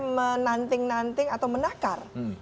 menanting nanting atau menakar